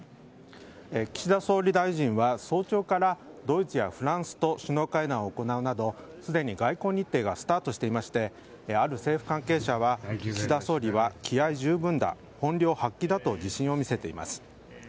岸田総理大臣は早朝からドイツやフランスと首脳会談を行うなどすでに外交日程がスタートしておりましてある政府関係者は岸田総理は気合十分だ本領発揮だと自信を見せています。